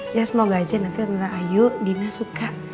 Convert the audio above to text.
iya semoga aja nanti tante ayu dan dina suka